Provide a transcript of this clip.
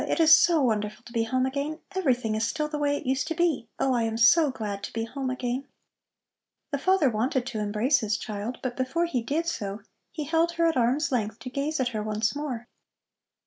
It is so wonderful to be home again! Everything is still the way it used to be. Oh, I am so glad to be home again!" The father wanted to embrace his child, but before he did so he held her at arm's length to gaze at her once more.